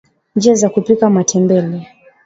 njia za kupika matembele